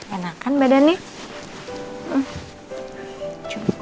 enak kan badannya